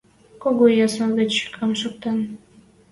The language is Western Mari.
Кого ясыш летчикнӓм шоктен.